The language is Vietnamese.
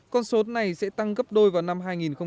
con số này sẽ tăng gấp đôi vào năm hai nghìn hai mươi